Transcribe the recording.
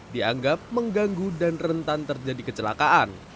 dianggap mengganggu dan rentan terjadi kecelakaan